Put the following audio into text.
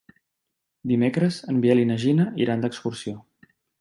Dimecres en Biel i na Gina iran d'excursió.